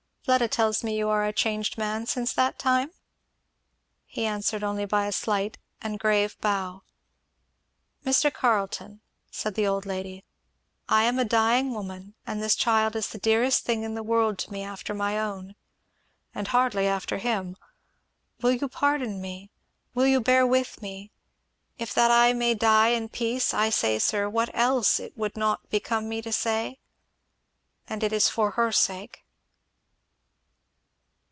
"Fleda tells me you are a changed man since that time?" He answered only by a slight and grave bow. "Mr. Carleton," said the old lady, "I am a dying woman and this child is the dearest thing in the world to me after my own, and hardly after him. Will you pardon me will you bear with me, if that I may die in peace, I say, sir, what else it would not become me to say? and it is for her sake."